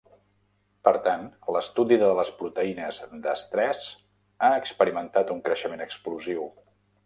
Per tant, l'estudi de les proteïnes d'estrès ha experimentat un creixement explosiu.